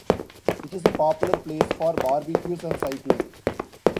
It is a popular place for barbecues and cycling.